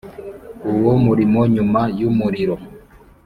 Uwo muriro nyuma y umuriro